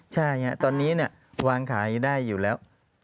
ใช่วางขายได้อยู่แล้ว